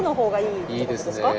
いいですね。